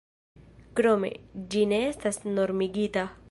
Krome, ĝi ne estas normigita.